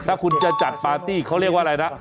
ถ้าคุณจะจัดปาร์ตี้เขาเรียกว่าอะไรนะ